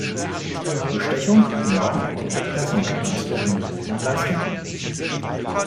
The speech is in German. Bestechung, Mord und Erpressung gehören zu den angebotenen Leistungen.